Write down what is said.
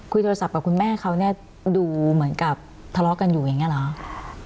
โทรศัพท์กับคุณแม่เขาเนี่ยดูเหมือนกับทะเลาะกันอยู่อย่างนี้เหรอ